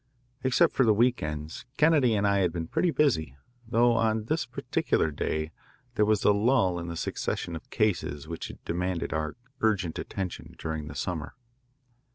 Except for the week ends, Kennedy and I had been pretty busy, though on this particular day there was a lull in the succession of cases which had demanded our urgent attention during the summer.